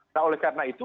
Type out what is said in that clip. nah oleh karena itu